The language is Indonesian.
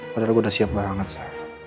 padahal gue udah siap banget alsa